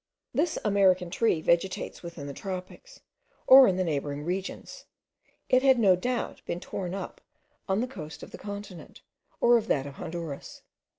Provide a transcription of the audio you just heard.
This American tree vegetates within the tropics, or in the neighbouring regions. It had no doubt been torn up on the coast of the continent, or of that of Honduras.